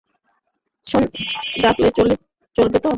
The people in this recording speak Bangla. সনিক ডাকলে চলবে তো?